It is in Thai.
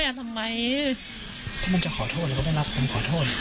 เพราะมันจะขอโทษแล้วก็ไม่รับมันขอโทษ